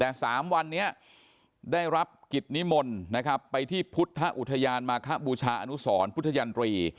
แต่๓วันนี้ได้รับกิจนิมนต์นะครับไปที่พุทธอุทยานมาคบูชาอนุสรพุทธยันตรี